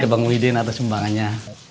terima kasih bang widen atas sumbangannya